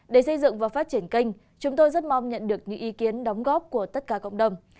để xây dựng và phát triển kênh chúng tôi rất mong nhận được những ý kiến đóng góp của tất cả cộng đồng